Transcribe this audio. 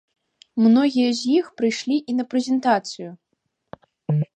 Многія з іх прыйшлі і на прэзентацыю.